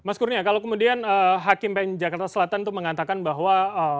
mas kurnia kalau kemudian hakim pn jakarta selatan itu mengatakan bahwa